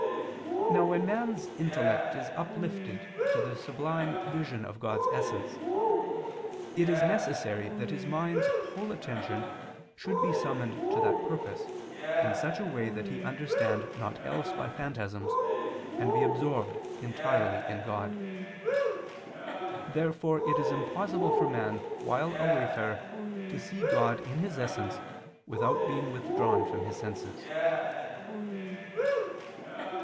Now when man's intellect is uplifted to the sublime vision of God's essence, it is necessary that his mind's whole attention should be summoned to that purpose in such a way that he understand naught else by phantasms, and be absorbed entirely in God. Therefore it is impossible for man while a wayfarer to see God in His essence without being withdrawn from his senses.